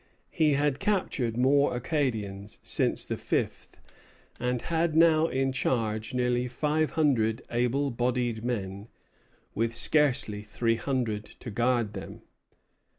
He had captured more Acadians since the fifth; and had now in charge nearly five hundred able bodied men, with scarcely three hundred to guard them.